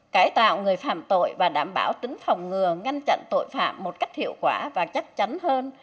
cải tạo người phạm tội và đảm bảo tính phòng ngừa ngăn chặn tội phạm một cách hiệu quả và chắc chắn hơn